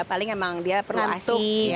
paling emang dia perlu masuk